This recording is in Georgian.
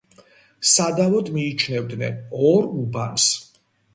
სადავოდ მიიჩნევდნენ ორ უბანს.